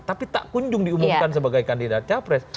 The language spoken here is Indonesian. tapi tak kunjung diumumkan sebagai kandidat capres